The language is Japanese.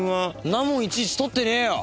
んなもんいちいち取ってねえよ！